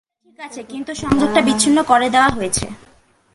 ঘড়িটা ঠিক আছে, কিন্তু সংযোগটা বিচ্ছিন্ন করে দেওয়া হয়েছে।